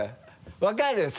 分かるよ！